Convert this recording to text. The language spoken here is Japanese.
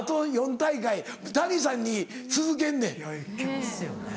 大会谷さんに続けんねん。ねぇ。